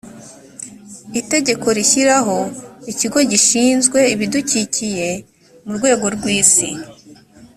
itegeko rishyiraho ikigo gishinzwe ibidukikiye ku rwego rw’isi